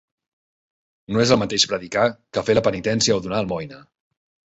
No és el mateix predicar que fer la penitència o donar almoina.